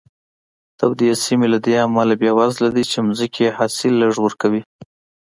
تودې سیمې له دې امله بېوزله دي چې ځمکې یې حاصل لږ ورکوي.